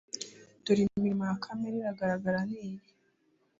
dore imirimo ya kamere iragaragara ni iyi